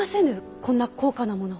こんな高価なもの。